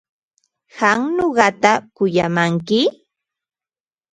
¿Qam nuqata kuyamanki?